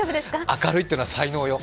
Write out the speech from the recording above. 明るいっていうのは才能よ。